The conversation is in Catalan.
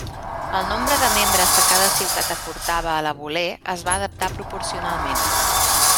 El nombre de membres que cada ciutat aportava a la bulé es va adaptar proporcionalment.